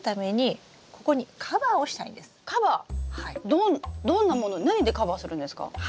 どんどんなもの何でカバーするんですか？